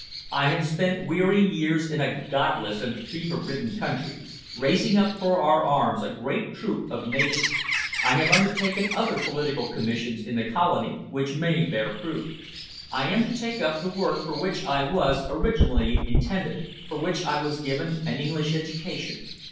I have spent weary years in a godless and fever ridden country, raising up for our arms a great troop of natives. I have undertaken other political commissions in the Colony which may bear fruit. I am to take up the work for which I was originally intended, for which I was given an English education.